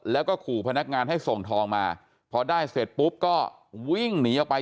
แล้วก็ขู่พนักงานให้ส่งทองมาพอได้เสร็จปุ๊บก็วิ่งหนีออกไป